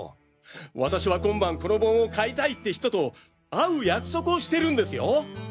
私は今晩この盆を買いたいって人と会う約束をしてるんですよ？